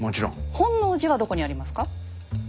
本能寺はどこにありますか？